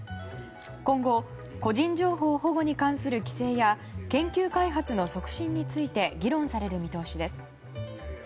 今後、個人情報保護に関する規制や研究開発の促進について議論される見通しです。